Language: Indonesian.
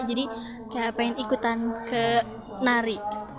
jadi kayak pengen ikutan ke nari